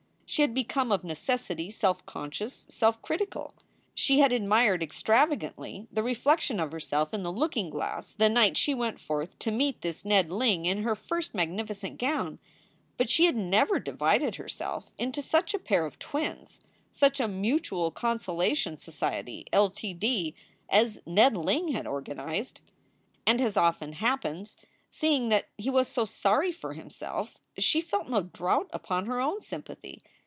She had become of necessity self conscious, self critical. She had admired extravagantly the reflection of herself in the looking glass the night she went forth to meet this Ned Ling in her first magnificent gown. But she had never divided herself into such a pair of twins, such a Mutual Consolation Society , Ltd. , as Ned Ling had organized. And, as often happens, seeing that he was so sorry for himself, she felt no draught upon her own sympathy.